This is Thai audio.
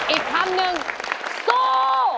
อีกคำนึงสู้